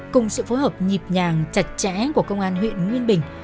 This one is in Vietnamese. cùng sự phối hợp nhịp nhàng chặt chẽ của công an huyện nguyên bình